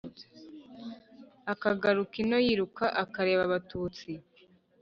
akagaruka ino yiruka: akareba abatutsi